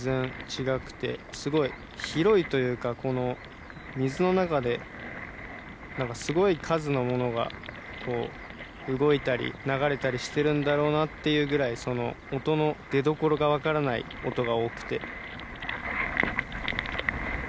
すごい広いというかこの水の中ですごい数のものが動いたり流れたりしてるんだろうなっていうぐらいその音の出どころが分からない音が多くて。